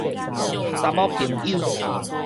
查某朋友